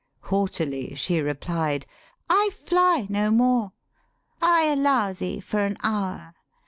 Haughtily she replied, ' I fly no more: I allow thee for an hour.